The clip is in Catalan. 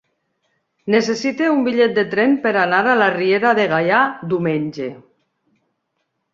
Necessito un bitllet de tren per anar a la Riera de Gaià diumenge.